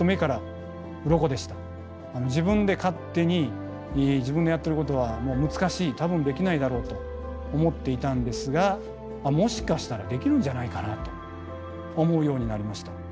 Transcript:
自分で勝手に自分のやってることは難しい多分できないだろうと思っていたんですがもしかしたらできるんじゃないかなと思うようになりました。